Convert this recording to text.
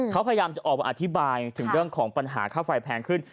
เขาพยายามจะออกมาอธิบายถึงเรื่องของปัญหาค่าไฟแพงขึ้น